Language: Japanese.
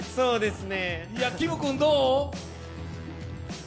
キム君、どう？